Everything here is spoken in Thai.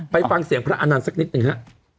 ไปฟังเสียงพระอานันต์สักนิดหนึ่งฮะ